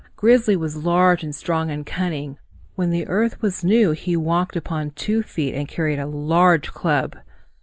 Grizzly was large and strong and cunning. When the earth was new he walked upon two feet and carried a large club.